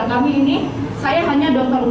kami ini saya hanya dokter umum